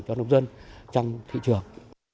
cho nông dân trong thị trường